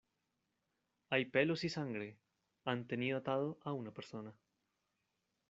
hay pelos y sangre. han tenido atado a una persona .